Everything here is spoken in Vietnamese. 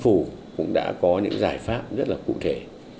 phủ cũng đã có những giải pháp rất là cụ thể